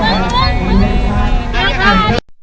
สวัสดีค่ะสวัสดีค่ะ